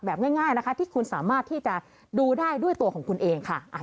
ง่ายนะคะที่คุณสามารถที่จะดูได้ด้วยตัวของคุณเองค่ะ